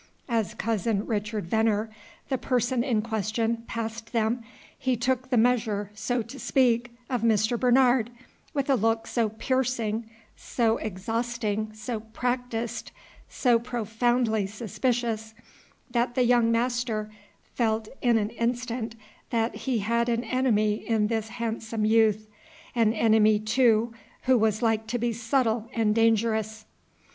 As Cousin Richard Venner, the person in question, passed them, he took the measure, so to speak, of Mr. Bernard, with a look so piercing, so exhausting, so practised, so profoundly suspicious, that the young master felt in an instant that he had an enemy in this handsome youth, an enemy, too, who was like to be subtle and dangerous.